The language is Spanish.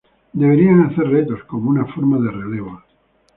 Deberían hacer retos como una forma de relevos.